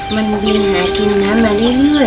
มันเวียนหากินน้ำมาเรื่อย